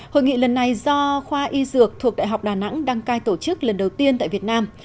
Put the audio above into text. hội nghị lần này do khoa y dược thuộc đại học đà nẵng đăng cai tổ chức lần đầu tiên tại việt nam